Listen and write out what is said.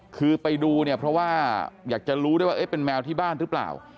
คือไปดูเนี่ยเพราะว่าอยากจะรู้ด้วยว่าเป็นแมวที่บ้านหรือเปล่า